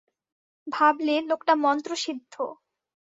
ভাবলে লোকটা মন্ত্রসিদ্ধ।